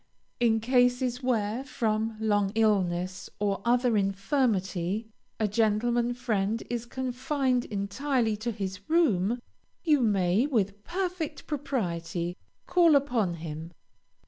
In cases where, from long illness or other infirmity, a gentleman friend is confined entirely to his room, you may, with perfect propriety, call upon him.